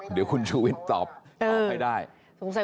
เดี๋ยวคุณชูวิทย์ตอบให้ได้